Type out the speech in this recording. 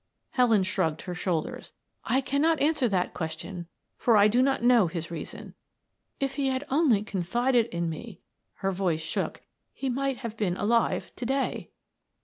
Helen shrugged her shoulders. "I cannot answer that question, for I do not know his reason. If he had only confided in me" her voice shook "he might have been alive to day."